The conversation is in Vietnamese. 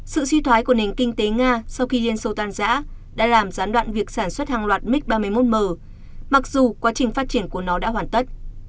sự suy thoái của nền kinh tế nga sau khi liên xô tan giã đã làm gián đoạn việc sản xuất hàng loạt mic ba mươi một m mặc dù quá trình phát triển của nó đã hoàn tất